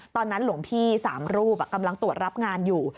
หลวงพี่๓รูปกำลังตรวจรับงานอยู่